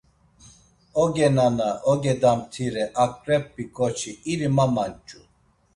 Oge nana, oge damtire, aǩrep̌i ǩoçi, iri ma manç̌u.